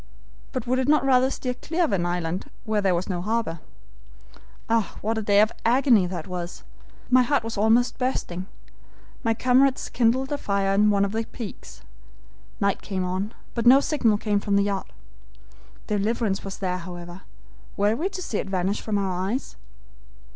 But would it not rather steer clear of an island where there was no harbor. "Ah, what a day of agony that was! My heart was almost bursting. My comrades kindled a fire on one of the peaks. Night came on, but no signal came from the yacht. Deliverance was there, however. Were we to see it vanish from our eyes?